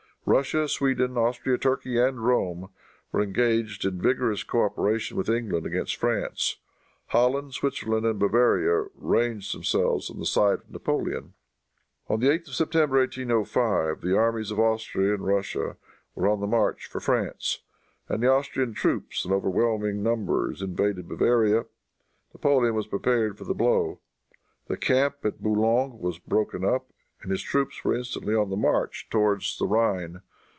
Russia, Sweden, Austria, Turkey and Rome, were engaged in vigorous coöperation with England against France. Holland, Switzerland and Bavaria ranged themselves on the side of Napoleon. On the 8th of September, 1805, the armies of Austria and Russia were on the march for France, and the Austrian troops, in overwhelming numbers, invaded Bavaria. Napoleon was prepared for the blow. The camp at Boulogne was broken up, and his troops were instantly on the march towards the Rhine.